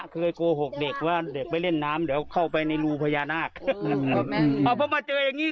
เคยโกหกเด็กว่าเด็กไปเล่นน้ำเดี๋ยวเข้าไปในรูพญานาคเอาเพราะมาเจออย่างงี้